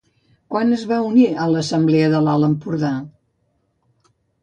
Quan es va unir a l'Assemblea de l'Alt Empordà?